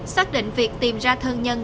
xác định việc tìm ra thân nhân